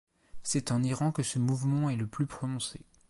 C'est en Iran que ce mouvement est le plus prononcé.